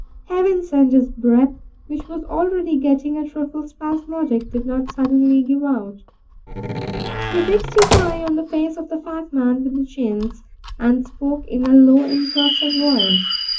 Heaven send, his breath, which was already getting a trifle spasmodic, did not suddenly give out. He fixed his eye on the face of the fat man with the chins, and spoke in a low, impressive voice.